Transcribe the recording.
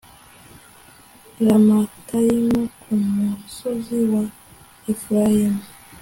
i ramatayimu ku musozi wa efurayimu